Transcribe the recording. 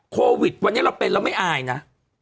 โควิดวันนี้เราเป็นแล้วไม่อายนะ